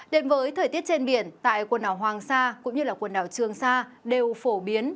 đến với thời tiết trên biển tại quần đảo hoàng sa cũng như quần đảo trường sa đều phổ biến